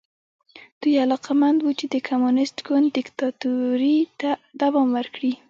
دوی علاقمند وو چې د کمونېست ګوند دیکتاتورۍ ته دوام ورکړي.